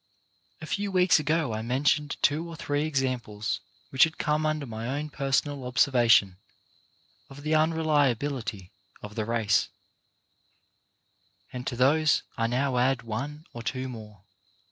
A few weeks ago I mentioned two or three ex amples which had come under my own personal observation, of the unreliability of the race, and to those I now add one or two more.